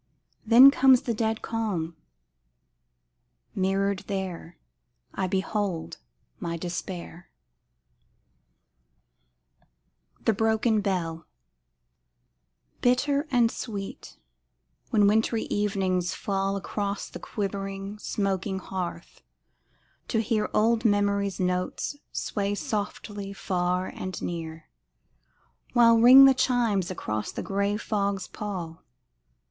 Then comes the dead calm mirrored there I behold my despair. Translated for the 'Library of the World's Best Literature.' THE BROKEN BELL Bitter and sweet, when wintry evenings fall Across the quivering, smoking hearth, to hear Old memory's notes sway softly far and near, While ring the chimes across the gray fog's pall.